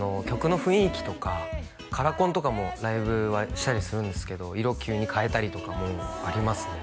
曲の雰囲気とかカラコンとかもライブはしたりするんですけど色急にかえたりとかもあります